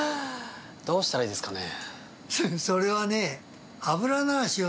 どうしたらいいですかね。